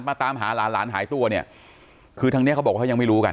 ตามหาหลานหลานหายตัวเนี่ยคือทางเนี้ยเขาบอกว่าเขายังไม่รู้กัน